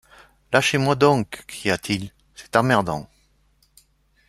Lâchez-moi donc! cria-t-il, c’est emmerdant !